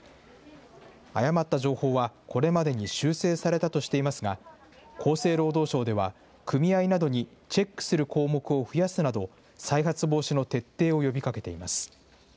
誤った情報はこれまでに修正されたとしていますが、厚生労働省では、組合などにチェックする項目を増やすなど、再発防止の徹底を呼びかけています。